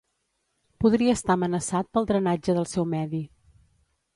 Podria estar amenaçat pel drenatge del seu medi.